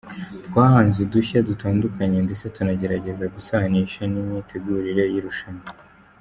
Twahanze udushay dutandukanye ndetse tunagerageza gusanisha n’imitegurire y’irushanwa.